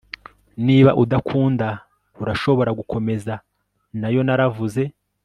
Niba udakunda urashobora gukomeza nayo naravuze